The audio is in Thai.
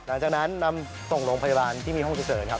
หลังจากนั้นนำส่งโรงพยาบาลที่มีห้องฉุกเฉินครับ